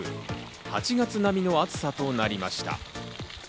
８月並みの暑さとなりました。